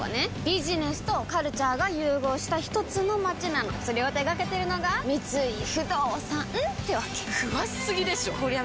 ビジネスとカルチャーが融合したひとつの街なのそれを手掛けてるのが三井不動産ってわけ詳しすぎでしょこりゃ